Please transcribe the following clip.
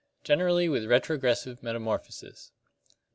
Generally with retrogressive metamorphosis.